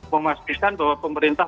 memastikan bahwa pemerintah